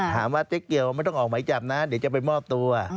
เจ๊เกียวไม่ต้องออกไหมจับนะเดี๋ยวจะไปมอบตัว